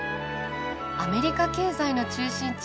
アメリカ経済の中心地